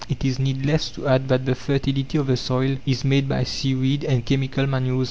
It is needless to add that the fertility of the soil is made by seaweed and chemical manures.